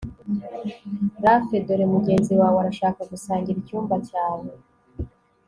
Lafe dore mugenzi wawe arashaka gusangira icyumba cyawe